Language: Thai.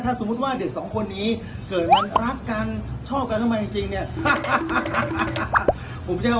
ถ้าสมมุติว่าเด็กสองคนนี้เกิดวันรักกันชอบกันทำไมจริงเนี่ย